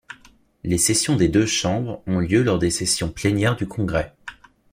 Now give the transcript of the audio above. Les sessions des deux Chambres ont lieu lors des sessions plénières du Congrès.